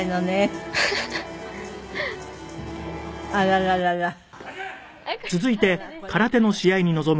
「はい。